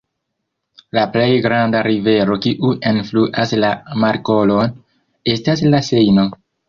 La plej granda rivero kiu enfluas la markolon estas la Sejno.